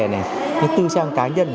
những tư trang cá nhân